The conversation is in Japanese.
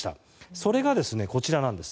それが、こちらなんです。